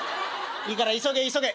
いいから急げ急げ」。